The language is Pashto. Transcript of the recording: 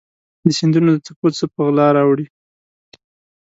د سیندونو د څپو څه په غلا راوړي